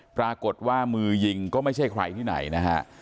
ปรากฏว่ามือยิงก็ไม่ใช่ใครที่ไหนนะฮะ